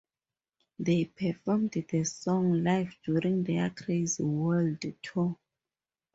They performed the song live during their 'Crazy World Tour'.